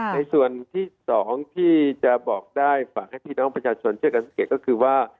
ในส่วนที่๒ที่จะบอกได้ฝากให้พี่น้องประชาชนช่วยกันสังเกตก็คือว่า